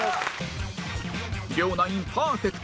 両ナインパーフェクト